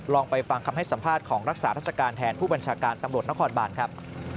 ลองไปฟังคำให้สัมภาษณ์ของรักษาราชการแทนผู้บัญชาการตำรวจนครบานครับ